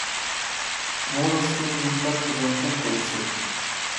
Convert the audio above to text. Молышт тудын умшашкыже ончен колыштыт.